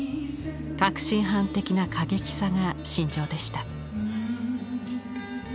確信犯的な過激さが身上でした。